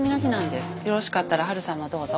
よろしかったらハルさんもどうぞ。